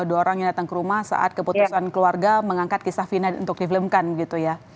dua orang yang datang ke rumah saat keputusan keluarga mengangkat kisah fina untuk difilmkan gitu ya